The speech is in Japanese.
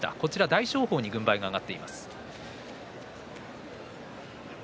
大翔鵬に軍配が上がっています。